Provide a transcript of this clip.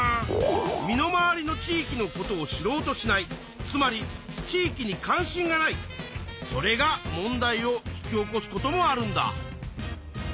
身の回りの地域のことを知ろうとしないつまり地域に関心がないそれが問題を引き起こすこともあるんだ。